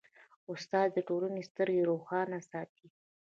استاد د ټولنې سترګې روښانه ساتي.